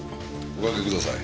お掛けください。